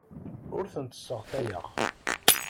Ur tent-sseɣtayeɣ.